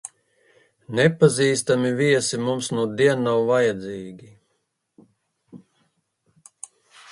Nepazīstami viesi mums nudien nav vajadzīgi!